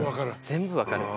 全部分かる。